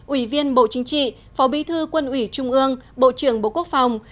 ủy viên bộ chính trị phó bí thư quân ủy trung ương bộ trưởng bộ quốc phòng